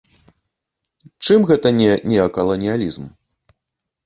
Чым гэта не неакаланіялізм?